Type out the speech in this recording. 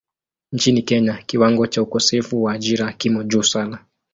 Nchini Kenya kiwango cha ukosefu wa ajira kimo juu sana.